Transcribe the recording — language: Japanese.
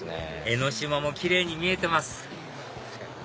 江の島もキレイに見えてます